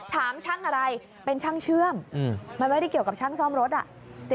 ถามช่างอะไรเป็นช่างเชื่อมมันไม่ได้เกี่ยวกับช่างซ่อมรถอ่ะ